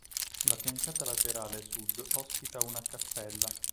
La fiancata laterale sud ospita una cappella.